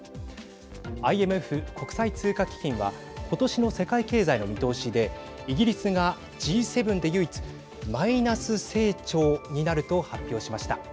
ＩＭＦ＝国際通貨基金は今年の世界経済の見通しでイギリスがＧ７で唯一マイナス成長になると発表しました。